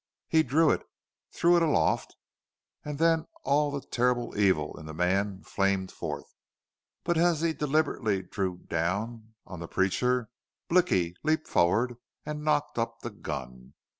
He drew it, threw it aloft. And then all the terrible evil in the man flamed forth. But as he deliberately drew down on the preacher Blicky leaped forward and knocked up the gun.